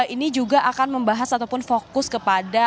ini juga akan membahas ataupun fokus kepada